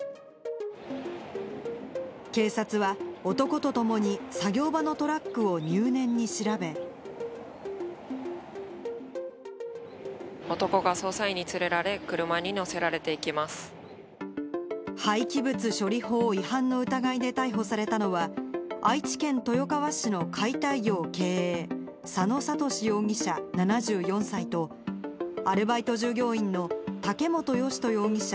警察は男と共に作業場のトラ男が捜査員に連れられ、廃棄物処理法違反の疑いで逮捕されたのは、愛知県豊川市の解体業経営、佐野諭容疑者７４歳と、アルバイト従業員の竹本義人容疑者